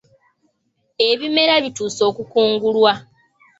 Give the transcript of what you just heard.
Ebimera bituuse okukungulwa.